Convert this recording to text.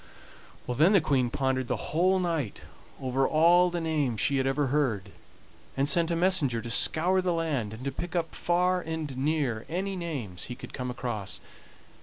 Then the Queen pondered the whole night over all the names she had ever heard, and sent a messenger to scour the land, and to pick up far and near any names he could come across.